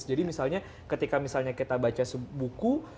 jadi misalnya ketika misalnya kita baca sebuah buku